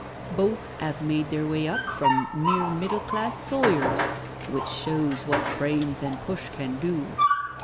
Both 'ave made their way up from mere middle class lawyers, which shows what brains and push can do.